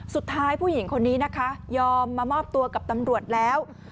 ผู้หญิงคนนี้นะคะยอมมามอบตัวกับตำรวจแล้ว